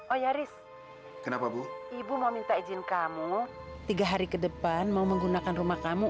oh yaris kenapa bu ibu mau minta izin kamu tiga hari ke depan mau menggunakan rumah kamu